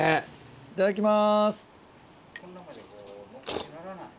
いただきます。